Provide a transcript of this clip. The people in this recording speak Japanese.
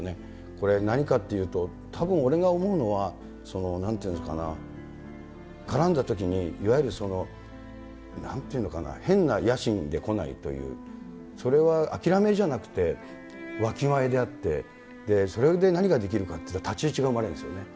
これ、何かっていうと、たぶん、俺が思うのは、なんていうのかな、絡んだときにいわゆるなんていうのかな、変な野心でこないという、それは諦めじゃなくて、わきまえであって、それで何ができるかっていったら、立ち位置が生まれるんですよね。